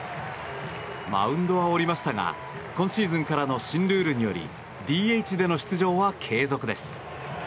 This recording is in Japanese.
マウンドは降りましたが今シーズンからの新ルールによりＤＨでの出場は継続です。